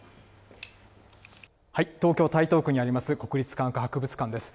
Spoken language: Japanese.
東京・台東区にあります国立科学博物館です。